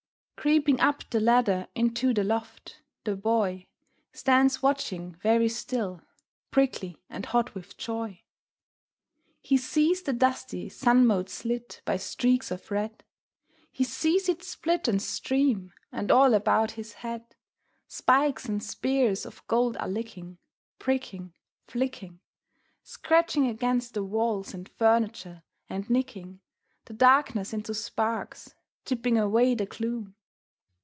Creeping up the ladder into the loft, the Boy Stands watching, very still, prickly and hot with joy. He sees the dusty sun mote slit by streaks of red, He sees it split and stream, and all about his head Spikes and spears of gold are licking, pricking, flicking, Scratching against the walls and furniture, and nicking The darkness into sparks, chipping away the gloom.